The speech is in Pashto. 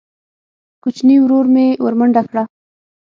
کوچیني ورور مې ورمنډه کړه.